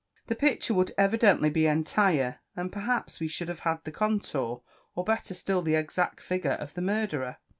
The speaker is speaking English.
The picture would evidently be entire; and perhaps we should have had the contour, or better still, the exact figure of the murderer.